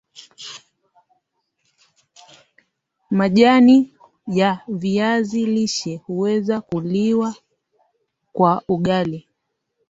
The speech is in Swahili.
Majani ya viazi lishe huweza kuliwa kwa ugali